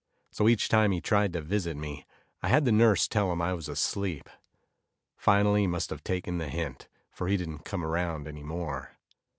So, each time he tried to visit me, I had the nurse tell him I was asleep. Finally, he must have taken the hint, for he didn't come around any more.